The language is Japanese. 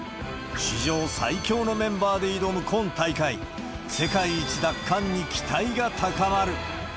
史上最強のメンバーで挑む今大会、世界一奪還に期待が高まる。